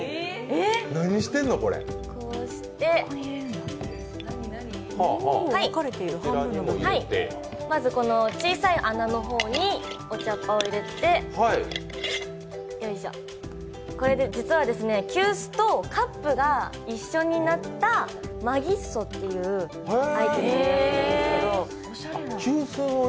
こうしてまず小さい穴の方にお茶っ葉を入れて実は急須とカップが一緒になったマギッソっていうアイテムなんです。